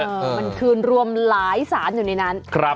มันคืนรวมหลายสารอยู่ในนั้นครับ